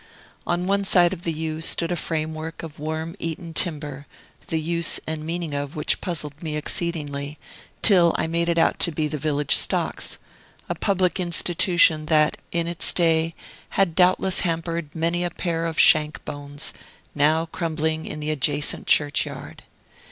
On one side of the yew stood a framework of worm eaten timber, the use and meaning of which puzzled me exceedingly, till I made it out to be the village stocks; a public institution that, in its day, had doubtless hampered many a pair of shank bones, now crumbling in the adjacent churchyard.